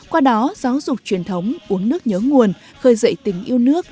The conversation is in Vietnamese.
qua đó giáo dục truyền thống uống nước nhớ nguồn khơi dậy tình yêu nước